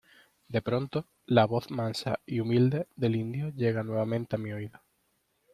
de pronto la voz mansa y humilde del indio llega nuevamente a mi oído.